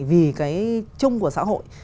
vì cái chung của xã hội